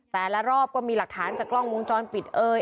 แต่ละรอบก็มีหลักฐานจากกล้องวงจรปิดเอ่ย